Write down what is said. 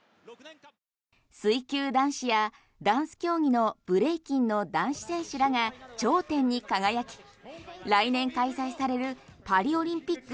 水球男子やダンス競技のブレイキンの男子選手らが頂点に輝き来年開催されるパリオリンピック